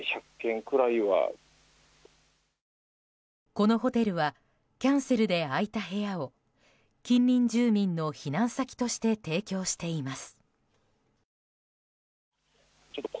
このホテルはキャンセルで空いた部屋を近隣住民の避難先として提供しています。